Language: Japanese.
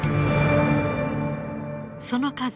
その数